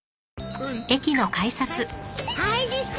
はいです。